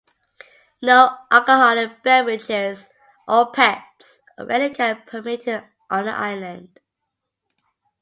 No alcoholic beverages or pets of any kind are permitted on the island.